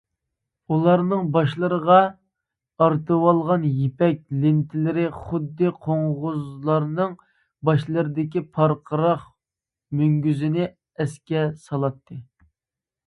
ئۇلارنىڭ باشلىرىغا ئارتىۋالغان يىپەك لېنتىلىرى خۇددى قوڭغۇزلارنىڭ باشلىرىدىكى پارقىراق مۈڭگۈزىنى ئەسكە سالاتتى.